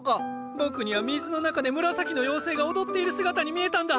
僕には水の中で紫の妖精が踊っている姿に見えたんだ。